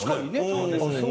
そうですね。